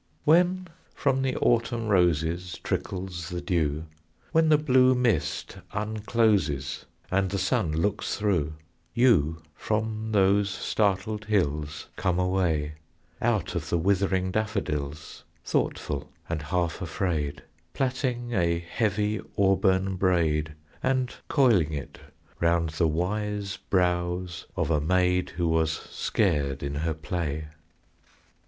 When from the autumn roses Trickles the dew, When the blue mist uncloses And the sun looks through, You from those startled hills Come away, Out of the withering daffodils; Thoughtful, and half afraid, Plaiting a heavy, auburn braid And coiling it round the wise brows of a maid Who was scared in her play.